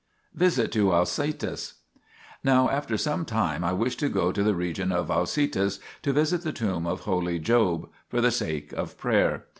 VISIT TO AUSITIS Now after some time I wished to go to the region of Ausitis* to visit the tomb of holy Job, for the sake of prayer.